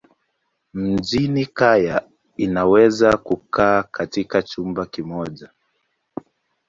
Mjini kaya inaweza kukaa katika chumba kimoja.